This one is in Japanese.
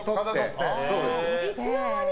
いつの間に？